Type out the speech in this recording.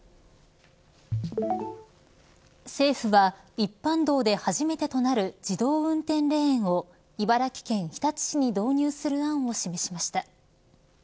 政府は、一般道で初めてとなる自動運転レーンを茨城県日立市に導入する案を示しました。